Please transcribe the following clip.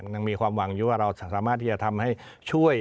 ยังมีความหวังอยู่ว่าเราสามารถที่จะทำให้ช่วย